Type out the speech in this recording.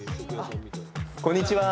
こんにちは。